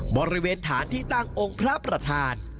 บริเวณฐานที่ตั้งองค์พระประธาน